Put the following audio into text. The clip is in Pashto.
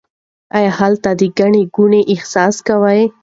آیا هلته د ګڼې ګوڼې احساس کوئ؟